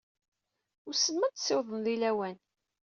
Wissen ma ad ssiwḍen di lawan?